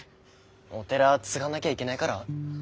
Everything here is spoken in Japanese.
お寺継がなぎゃいけないから？